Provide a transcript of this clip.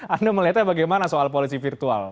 anda melihatnya bagaimana soal polisi virtual